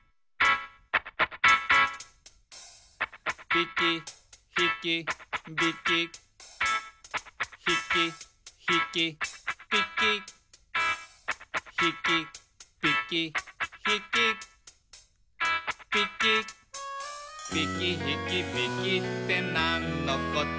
「ぴきひきびき」「ひきひきぴき」「ひきぴきひき」「ぴき」「ぴきひきびきってなんのこと？」